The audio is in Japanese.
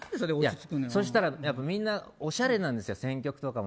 そしたら、みんなおしゃれなんですよ選曲とかも。